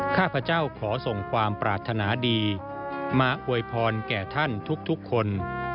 ข้าพเจ้าขอส่งความปรารถนาดีมาอวยพรแก่ท่านทุกคน